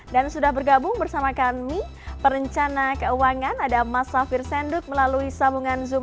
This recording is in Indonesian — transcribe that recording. dan sudah bergabung bersama kami perencana keuangan ada mas safir senduk melalui sambungan zoom